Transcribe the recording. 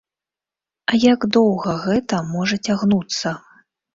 А як доўга гэта можа цягнуцца?